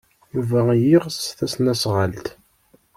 Yuba yeɣs tasnasɣalt.